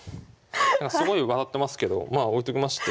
なんかすごい笑ってますけどまあ置いときまして。